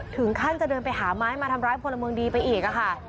ถึงขั้นจะเดินไปหาไม้มาทำร้ายพลเมืองดีไปอีกค่ะ